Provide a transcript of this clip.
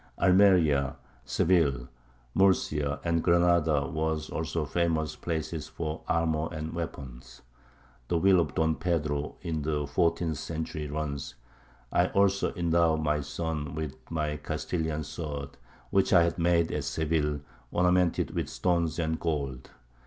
Almeria, Seville, Murcia, and Granada were also famous places for armour and weapons. The will of Don Pedro in the fourteenth century runs: "I also endow my son with my Castilian sword, which I had made at Seville, ornamented with stones and gold."